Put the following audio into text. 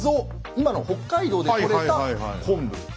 今の北海道でとれた昆布なんですね。